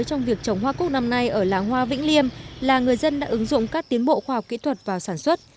trong việc trồng hoa cúc năm nay ở làng hoa vĩnh liêm là người dân đã ứng dụng các tiến bộ khoa học kỹ thuật vào sản xuất